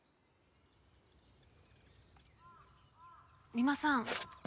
三馬さん。